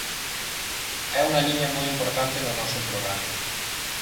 É unha liña moi importante no noso programa.